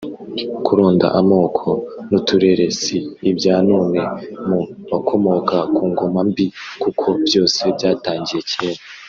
Kuronda amoko n’uturere si ibya none mu bakomoka ku ngoma mbi kuko byose byatangiye kera